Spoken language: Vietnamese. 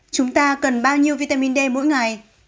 chúng ta cần bao nhiêu vitamin d mỗi ngày